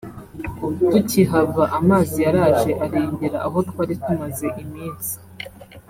tukihava amazi yaraje arengera aho twari tumaze iminsi